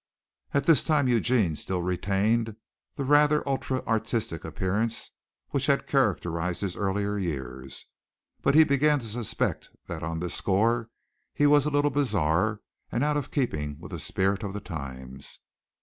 At this time Eugene still retained that rather ultra artistic appearance which had characterized his earlier years, but he began to suspect that on this score he was a little bizarre and out of keeping with the spirit of the times.